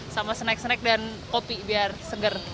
sama snack snack dan kopi biar seger